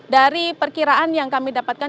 dari perkiraan yang kami dapatkan